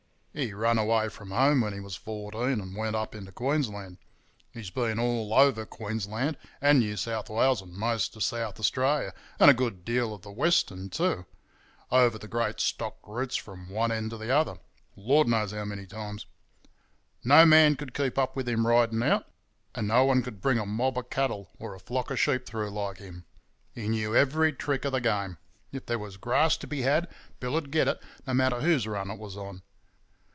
He run away from home when he was fourteen and went up into Queensland. He's been all over Queensland and New South Wales and most of South Australia, and a good deal of the Western, too: over the great stock routes from one end to the other, Lord knows how many times. No man could keep up with him riding out, and no one could bring a mob of cattle or a flock of sheep through like him. He knew every trick of the game; if there was grass to be had Bill'd get it, no matter whose run it was on.